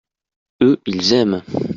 eux, ils aimaient.